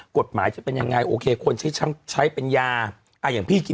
กฎหมายจะเป็นยังไงโอเคคนใช้ใช้เป็นยาอย่างพี่คิด